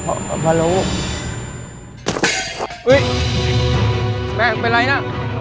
เฮ้ยแม่เป็นไรนะ